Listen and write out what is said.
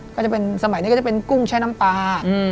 ก็จะเป็นสมัยนี้ก็จะเป็นกุ้งแช่น้ำปลา